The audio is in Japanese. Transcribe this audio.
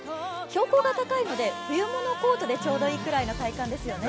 標高が高いので冬物コートでちょうどいいくらいの体感ですよね。